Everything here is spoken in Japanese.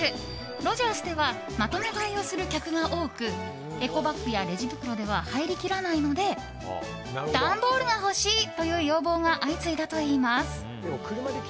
ロヂャースではまとめ買いをする客が多くエコバッグやレジ袋では入りきらないので段ボールが欲しいという要望が相次いだといいます。